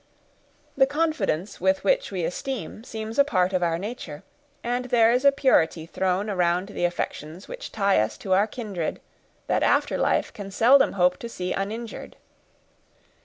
The confidence with which we esteem seems a part of our nature; and there is a purity thrown around the affections which tie us to our kindred that after life can seldom hope to see uninjured.